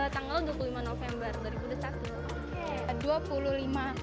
tanggal dua puluh lima november dua ribu dua puluh satu